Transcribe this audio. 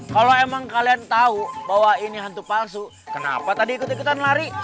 kalau emang kalian tahu bahwa ini hantu palsu kenapa tadi ikut ikutan lari